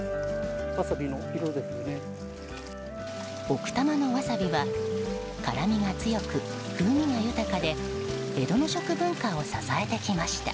奥多摩のワサビは辛みが強く風味が豊かで江戸の食文化を支えてきました。